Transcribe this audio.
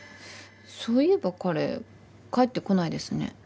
そういえば彼帰ってこないですね。